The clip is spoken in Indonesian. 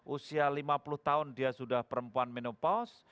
usia lima puluh tahun dia sudah perempuan menopaus